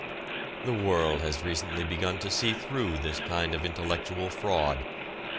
The world has recently begun to see through this kind of intellectual fraud.